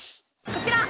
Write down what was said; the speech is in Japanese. こちら！